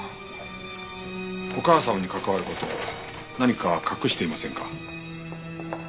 お母様に関わる事を何か隠していませんか？